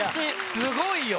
すごいよ。